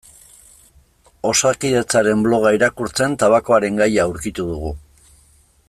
Osakidetzaren bloga irakurtzen tabakoaren gaia aurkitu dugu.